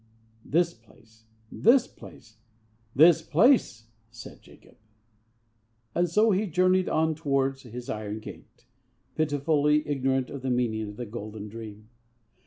'This place! this place! THIS PLACE!' said Jacob. And so he journeyed on towards his iron gate, pitifully ignorant of the meaning of the golden dream.